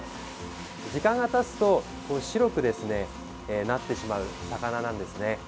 時間がたつと白くなってしまう魚なんですね。